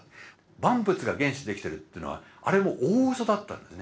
万物が原子でできてるっていうのはあれも大うそだったんですね。